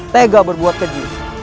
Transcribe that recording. tega berbuat keji